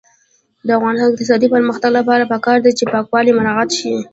د افغانستان د اقتصادي پرمختګ لپاره پکار ده چې پاکوالی مراعات شي.